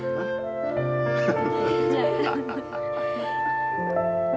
ハハハハ。